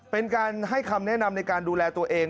เป็นการให้คำแนะนำในการดูแลตัวเอง